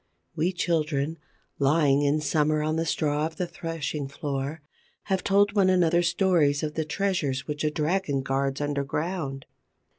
We children, lying, in summer, on the straw of the threshing floor, have told one another stories of the treasures which a dragon guards underground.